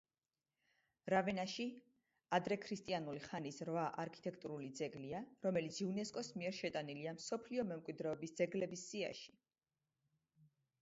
რავენაში ადრექრისტიანული ხანის რვა არქიტექტურული ძეგლია, რომელიც იუნესკოს მიერ შეტანილია მსოფლიო მემკვიდრეობის ძეგლების სიაში.